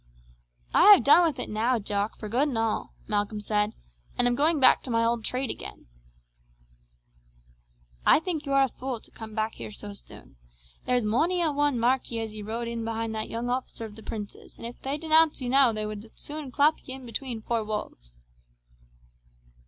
"I have done with it now, Jock, for good and all," Malcolm said, "and am going back to my old trade again." "I think you are a fule to come back here so soon. There's mony a one marked ye as ye rode in behind that young officer of the prince's, and if they denounce you now they would soon clap you in between four walls."